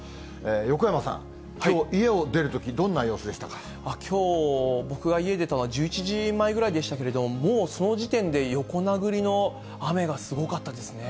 横山さん、きょう、家を出るとき、きょう、僕が家を出たのは１１時前ぐらいでしたけれども、もうその時点で横殴りの雨がすごかったですね。